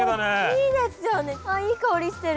ああいい香りしてる。